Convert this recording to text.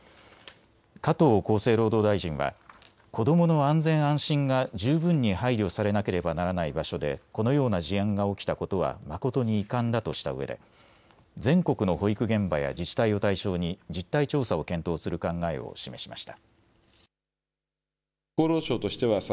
加藤厚生労働大臣は子どもの安全・安心が十分に配慮されなければならない場所でこのような事案が起きたことは誠に遺憾だとしたうえで全国の保育現場や自治体を対象に実態調査を検討する考えを示しました。